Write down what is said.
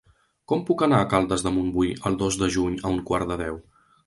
Com puc anar a Caldes de Montbui el dos de juny a un quart de deu?